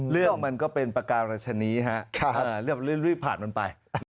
อ๋อเรื่องมันก็เป็นประกาศละชนีฮะเรื่องรีบผ่านมันไป